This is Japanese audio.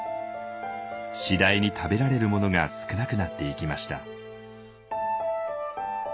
次第に食べられるものが少なくなっていきました。